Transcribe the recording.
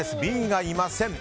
Ｂがいません。